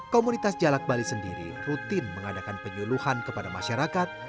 komunitas jalak bali sendiri rutin mengadakan penyuluhan kepada masyarakat